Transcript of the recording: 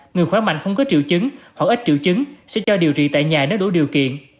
người khỏe mạnh không có triệu chứng hoặc ít triệu chứng sẽ cho điều trị tại nhà nếu đủ điều kiện